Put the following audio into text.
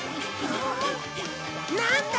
なんだ？